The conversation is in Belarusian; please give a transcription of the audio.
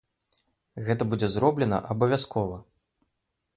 Гэта будзе зроблена абавязкова.